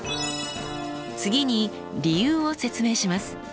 次に理由を説明します。